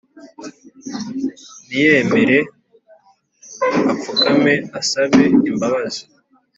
Niyemere apfukame asabe imbabazi